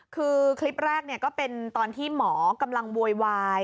คือคลิปแรกก็เป็นตอนที่หมอกำลังโวยวาย